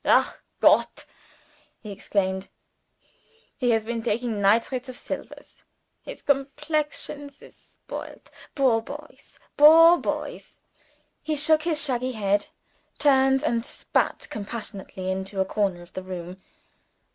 "Ach, Gott!" he exclaimed, "he has been taking Nitrates of Silvers. His complexions is spoilt. Poor boys! poor boys!" He shook his shaggy head turned and spat compassionately into a corner of the room.